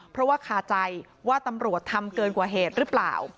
เพราะว่าคาใจว่าตำรวจทำเกินกว่าเหตุหรือเปล่า